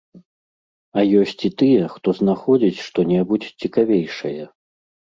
А ёсць і тыя, хто знаходзіць што-небудзь цікавейшае.